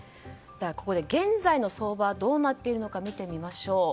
ここで現在の相場はどうなっているのか見てみましょう。